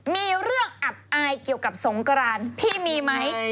มีเรื่องอับอายเกี่ยวกับสงกรานพี่มีไหม